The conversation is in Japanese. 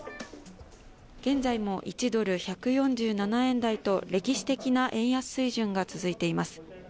現在も１ドル＝１４７円台と歴史的な円安水準が続いています。